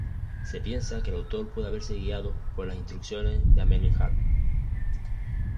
Se piensa que el autor puede haberse guiado por las Instrucciones de Amenemhat.